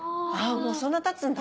もうそんな経つんだ。